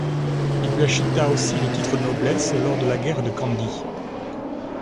Il lui acheta aussi le titre de noblesse lors de la guerre de Candie.